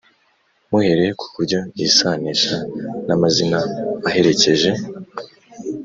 muhereye ku buryo yisanisha n’amazina aherekeje,